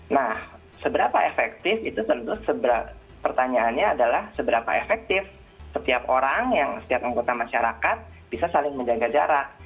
nah seberapa efektif itu tentu pertanyaannya adalah seberapa efektif setiap orang yang setiap anggota masyarakat bisa saling menjaga jarak